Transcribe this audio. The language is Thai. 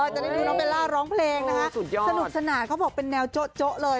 จะได้ดูน้องเบลล่าร้องเพลงนะคะสนุกสนานเขาบอกเป็นแนวโจ๊ะเลย